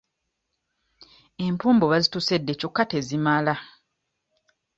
Empombo bazitusedde kyokka tezimala.